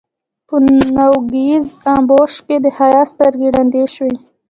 په نوږيز امبوش کې يې د حيا سترګې ړندې شوې.